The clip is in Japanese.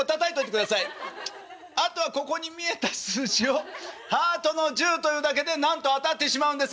あとはここに見えた数字を「ハートの１０」と言うだけでなんと当たってしまうんです。